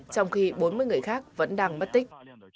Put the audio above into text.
trong khi bốn mươi người khác vẫn đang mất tích